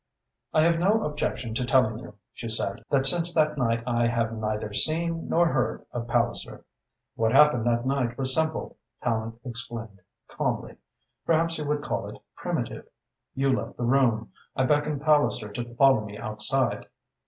"I have no objection to telling you," she said, "that since that night I have neither seen nor heard of Palliser." "What happened that night was simple," Tallente explained calmly; "perhaps you would call it primitive. You left the room. I beckoned Palliser to follow me outside.